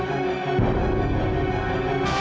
saya bukan livi mbak